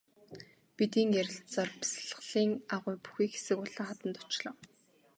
Бид ийн ярилцсаар бясалгалын агуй бүхий хэсэг улаан хаданд очлоо.